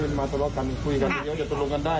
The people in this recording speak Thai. ไม่เอาครับไม่มาตลอกกันคุยกันเยอะเดี๋ยวตลกกันได้